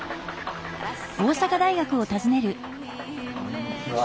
こんにちは。